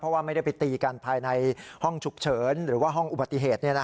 ว่าไม่ได้ไปตีกันภายในห้องฉุกเฉินหรือว่าห้องอุบัติเหตุ